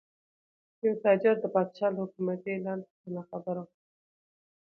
یو تاجر د پادشاه له حکومتي اعلان څخه ناخبره و.